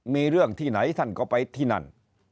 มีเรื่องที่ไหนท่านก็ไปที่นั่น